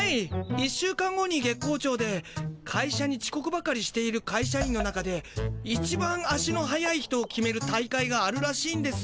１週間後に月光町でかいしゃにちこくばかりしているかいしゃ員の中でいちばん足の速い人を決める大会があるらしいんです。